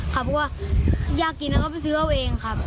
เพราะว่าอยากกินแล้วก็ไปซื้อเอาเองครับ